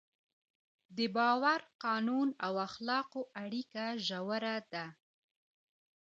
د باور، قانون او اخلاقو اړیکه ژوره ده.